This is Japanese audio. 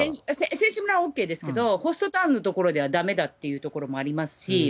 選手村はＯＫですけど、ホストタウンの所ではだめだっていう所もありますし。